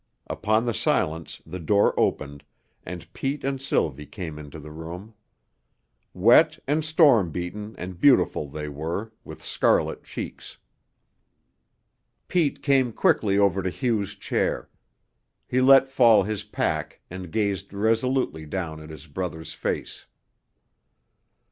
Upon the silence the door opened, and Pete and Sylvie came into the room. Wet and storm beaten and beautiful they were, with scarlet cheeks. Pete came quickly over to Hugh's chair; he let fall his pack and gazed resolutely down at his brother's face.